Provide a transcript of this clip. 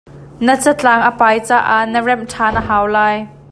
Na catlang a pai caah na remh ṭhan a hau lai.